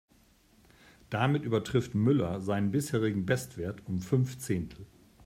Damit übertrifft Müller seinen bisherigen Bestwert um fünf Zehntel.